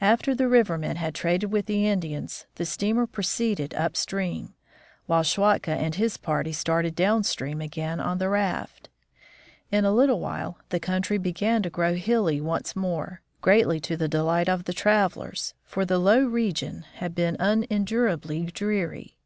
After the river men had traded with the Indians the steamer proceeded upstream, while Schwatka and his party started downstream again on the raft. In a little while the country began to grow hilly once more, greatly to the delight of the travelers, for the low region had been 02 THE FROZEN NORTH unendurably dreary.